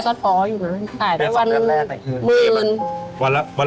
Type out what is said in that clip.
วันละวันละ๑๐๐๐๐บาท